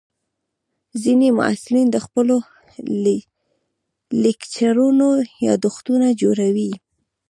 ځینې محصلین د خپلو لیکچرونو یادښتونه جوړوي.